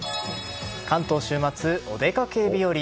関東は週末、お出かけ日和。